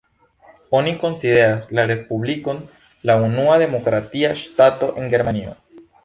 Oni konsideras la respublikon la unua demokratia ŝtato en Germanio.